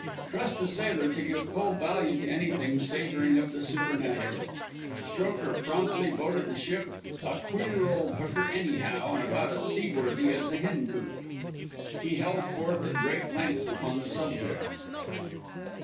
Trust a sailor to give full value to anything savouring of the supernatural. Strokher promptly voted the ship a "queer old hooker anyhow, and about as seaworthy as a hen coop." He held forth at great length upon the subject.